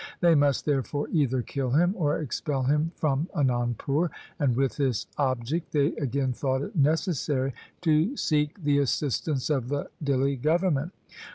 They must therefore either kill him or expel him from Anandpur, and with this object they again thought it necessary to seek the assistance of the Dihli government.